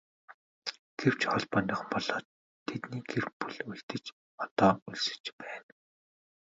Гэвч Холбооныхон болоод тэдний гэр бүл үлдэж одоо өлсөж байна.